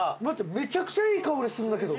めちゃくちゃいい香りするんだけど。